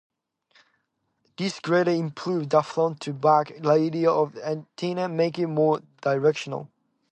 This greatly improves the front-to-back ratio of the antenna, making it more directional.